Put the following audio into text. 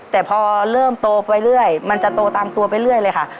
แต่พอเริ่มโตไปเรื่อยมันจะโตตามตัวไปเรื่อยเลยค่ะ